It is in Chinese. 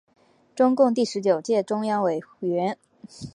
中共第十九届中央委员。